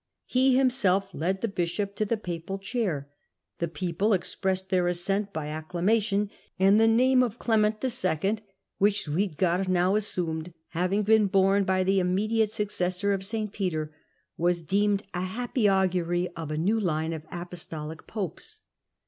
He himself led the bishop to the papal chair, the people expressed their assent by acclamation, and the name of ^JJ leme nt II. which Suidger now assumed, having been "^bome by the immediate successor of St. Peter, was deemed a happy augury of a new line of apostolic popes.